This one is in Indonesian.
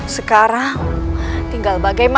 sekarang tinggal bagaimana